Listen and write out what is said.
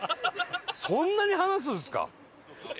そんなに離すんですか？